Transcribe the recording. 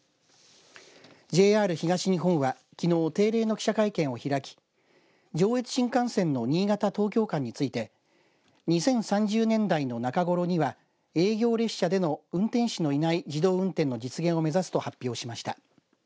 ＪＲ東日本は、きのう定例の記者会見を開き上越新幹線の新潟、東京間について２０３０年代の中ごろには営業列車での運転士のいない自動運転の実現を目指すと発表しました。